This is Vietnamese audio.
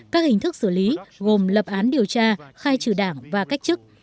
các hình thức xử lý gồm lập án điều tra khai trừ đảng và cách chức